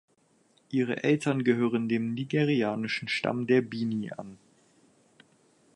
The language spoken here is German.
Ihre Eltern gehörten dem nigerianischen Stamm der Bini an.